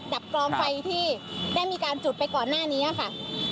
กรองไฟที่ได้มีการจุดไปก่อนหน้านี้ค่ะ